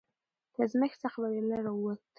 د ازمېښت څخه بریالی راووت،